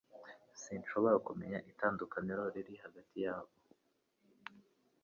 Sinshobora kumenya itandukaniro riri hagati yabo